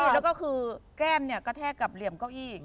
แล้วก็คือแก้มเนี่ยกระแทกกับเหลี่ยมก้อย